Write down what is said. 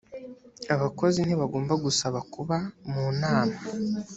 abakozi ntibagomba gusaba kuba mu nama